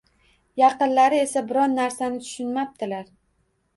Yaqinlari esa biron narsani tushunmabdilar